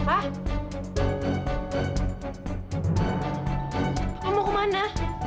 papa mau kemana